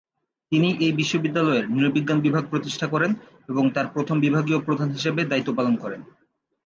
তিনি এই বিশ্ববিদ্যালয়ে নৃ-বিজ্ঞান বিভাগ প্রতিষ্ঠা করেন এবং তার প্রথম বিভাগীয় প্রধান হিসেবে দায়িত্ব পালন করেন।